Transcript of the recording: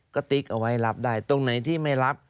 ก็ติ๊กเอาไว้รับได้ตรงไหนที่ไม่รับ